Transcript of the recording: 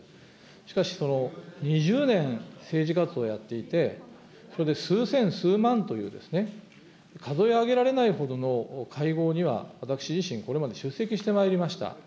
しかし、２０年政治活動やっていて、それで数千、数万という、数え上げられないほどの会合には私自身、これまで出席してまいりました。